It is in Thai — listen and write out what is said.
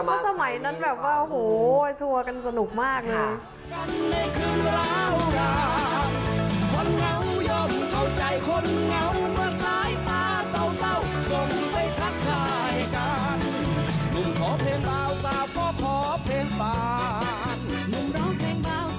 ว่าสมัยนั้นทัวร์กันสนุกมากนึง